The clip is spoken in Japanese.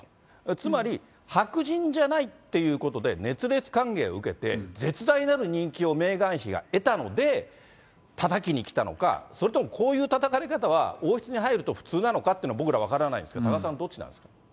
つまり、白人じゃないっていうことで熱烈歓迎を受けて、絶大なる人気をメーガン妃が得たので、たたきにきたのか、それとも、こういうたたかれ方は王室に入ると普通なのかっていうの、僕ら、分からないんですが、多賀さん、どっちなんですか？